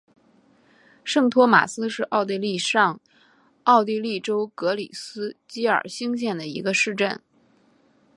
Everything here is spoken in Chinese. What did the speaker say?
圣托马斯是奥地利上奥地利州格里斯基尔兴县的一个市镇。